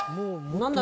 何だ？